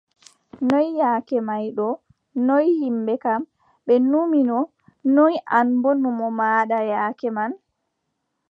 Noy yaake may ɗo, noy yimɓe kam, ɓe numino, noy an boo numo maaɗan yaake man?